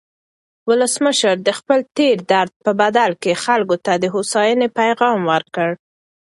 ولسمشر د خپل تېر درد په بدل کې خلکو ته د هوساینې پیغام ورکړ.